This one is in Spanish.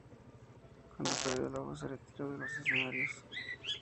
Cuando perdió la voz se retiró de los escenarios.